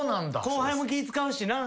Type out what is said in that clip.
後輩も気使うしな。